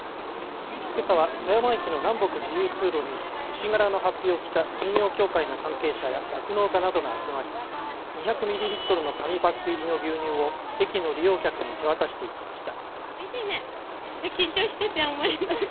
けさは富山駅の南北自由通路に牛柄のはっぴを着た乳業協会の関係者や酪農家などが集まり２００ミリリットルの紙パック入りの牛乳を駅の利用客に手渡していきました。